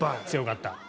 強かった。